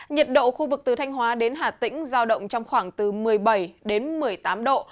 nhiệt độ khu vực từ thanh hóa đến hà tĩnh giao động trong khoảng từ một mươi bảy đến một mươi tám độ